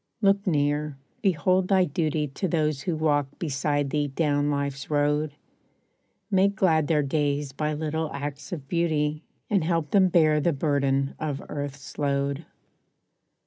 Look near, behold thy duty To those who walk beside thee down life's road; Make glad their days by little acts of beauty, And help them bear the burden of earth's load.